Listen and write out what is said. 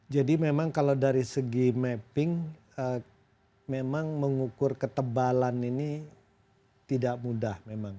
jadi memang kalau dari segi mapping memang mengukur ketebalan ini tidak mudah memang